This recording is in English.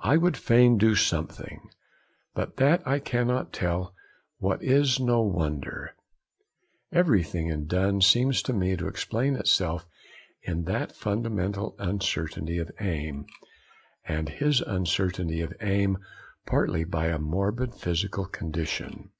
'I would fain do something, but that I cannot tell what is no wonder.' Everything in Donne seems to me to explain itself in that fundamental uncertainty of aim, and his uncertainty of aim partly by a morbid physical condition.